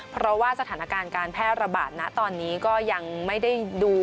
เพราะว่าสถานการณ์การแพร่ระบาดนะตอนนี้ก็ยังไม่ได้ดู